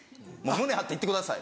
胸張って行ってください」。